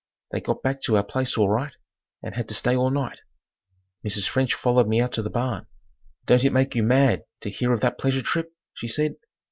They got back to our place all right and had to stay all night. Mrs. French followed me out to the barn. "Don't it make you mad to hear of that pleasure trip?" she said.